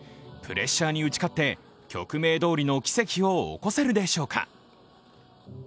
プレッシャーに打ち勝って曲名どおりの奇跡を起こせるでしょうか。